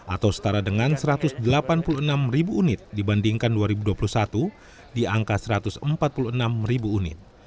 atau setara dengan satu ratus delapan puluh enam ribu unit dibandingkan dua ribu dua puluh satu di angka satu ratus empat puluh enam ribu unit